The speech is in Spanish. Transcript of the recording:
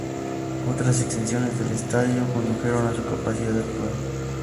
Otras extensiones del estadio condujeron a su capacidad actual.